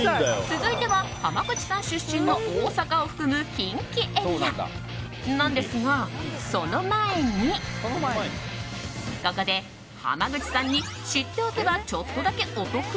続いては、濱口さん出身の大阪を含む近畿エリアなんですがその前に、ここで濱口さんに知っておけばちょっとだけお得？